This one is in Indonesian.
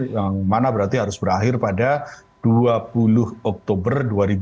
yang mana berarti harus berakhir pada dua puluh oktober dua ribu dua puluh